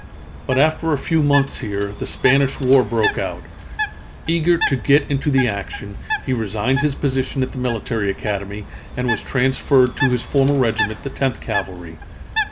But after a few months here, the Spanish War broke out. Eager to get into the action, he resigned his position at the Military Academy, and was transferred to his former regiment, the Tenth Cavalry.